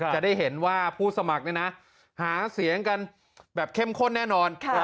จะได้เห็นว่าผู้สมัครหาเสียงกันแบบเข้มข้นแน่นอน